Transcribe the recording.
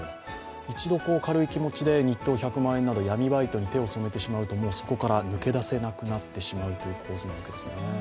一度軽い気持ちで日当１００万円など闇バイトに手を染めてしまうともうそこから抜け出せなくなってしまうという構図なわけですね。